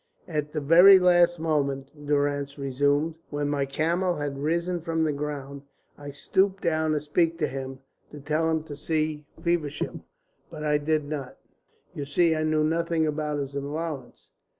"At the very last moment," Durrance resumed, "when my camel had risen from the ground, I stooped down to speak to him, to tell him to see to Feversham. But I did not. You see I knew nothing about his allowance.